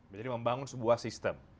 jadi membangun sebuah sistem